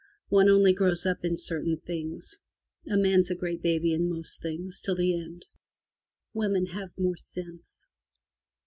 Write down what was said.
One only grows up in certain things. A man's a great baby in most things till the end. Women have more sense.